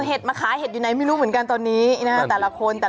เอาเห็ดมาขายเห็ดอยู่ไหนไม่รู้เหมือนกันตอนนี้นะคะ